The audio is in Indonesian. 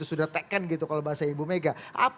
sudah taken gitu kalau bahasa ibu mega